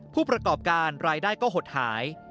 ผู้ประกอบการรายได้ก็หดหาย